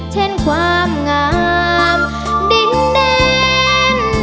เช่นความงามดินแดน